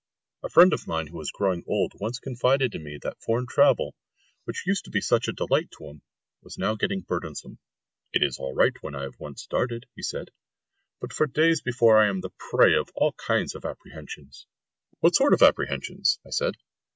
A friend of mine who was growing old once confided to me that foreign travel, which used to be such a delight to him, was now getting burdensome. "It is all right when I have once started," he said, "but for days before I am the prey of all kinds of apprehensions." "What sort of apprehensions?" I said.